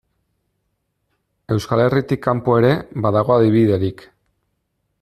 Euskal Herritik kanpo ere, badago adibiderik.